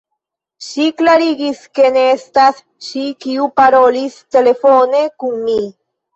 Ŝi klarigis, ke ne estas ŝi, kiu parolis telefone kun mi.